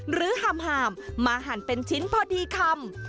ห่ามมาหั่นเป็นชิ้นพอดีคำ